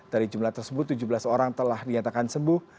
dari jumlah tersebut tujuh belas orang telah dinyatakan sembuh